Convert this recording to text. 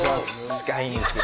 近いんですよ。